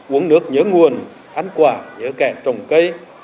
uống nước nhớ nguồn ăn quà nhớ kẹt trồng cây